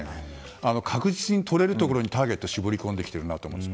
確実に取れるところにターゲットを絞り込んできていると思います。